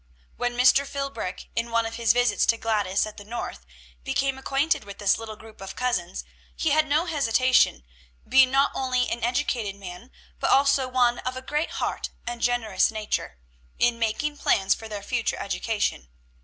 When Mr. Philbrick, in one of his visits to Gladys at the North, became acquainted with this little group of cousins, he had no hesitation being not only an educated man, but also one of a great heart and generous nature in making plans for their future education.